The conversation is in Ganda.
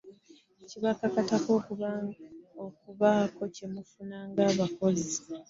Kibakakatako okubaako kye mufuna nga abakozi.